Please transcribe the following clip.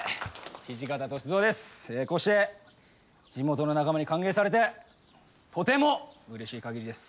こうして地元の仲間に歓迎されてとてもうれしい限りです。